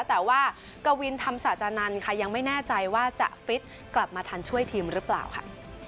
แต่ว่ากวินธรรมศาจานันค่ะยังไม่แน่ใจว่าจะฟิตกลับมาทันช่วยทีมหรือเปล่าค่ะ